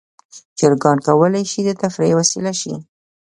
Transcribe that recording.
چرګان کولی شي د تفریح وسیله شي.